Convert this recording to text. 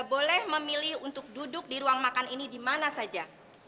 boleh memilih untuk duduk di ruang makan ini di mana saja